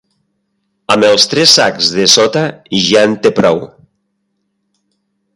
Amb els tres sacs de sota ja en té prou.